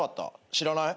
知らない？